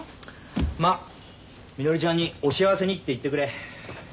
まっみのりちゃんにお幸せにって言ってくれ。